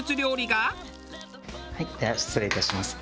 では失礼いたします。